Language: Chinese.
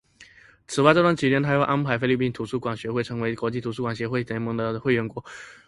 此外这段期间他又安排菲律宾图书馆学会成为国际图书馆协会联盟的会员国。